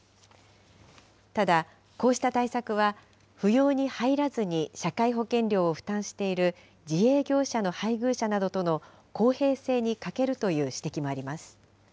ただ、こうした対策は、扶養に入らずに社会保険料を負担している、自営業者の配偶者などとの公平性に欠けるという指摘もあります。